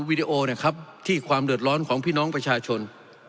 วิดีโอนะครับที่ความเดือดร้อนของพี่น้องประชาชน